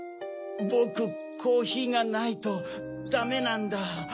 ぼくコーヒーがないとダメなんだ。